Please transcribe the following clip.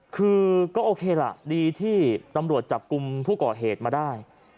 คือก็โอเคล่ะดีที่ตำรวจจับกลุ่มผู้ก่อเหตุมาได้